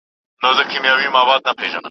که ته غواړې چې پوه سې نو مطالعه وکړه.